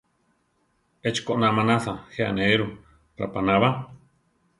Échi ko, má naʼása, je anéiru: rapaná ba.